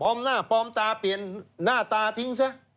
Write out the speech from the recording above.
หน้าปลอมตาเปลี่ยนหน้าตาทิ้งซะ